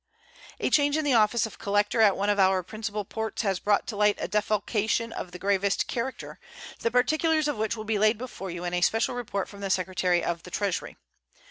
A change in the office of collector at one of our principal ports has brought to light a defalcation of the gravest character, the particulars of which will be laid before you in a special report from the Secretary of the Treasury.